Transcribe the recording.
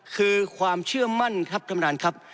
คือความเชื่อมั่นครับท่านประธานครับ